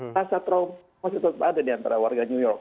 rasa trauma masih tetap ada di antara warga new york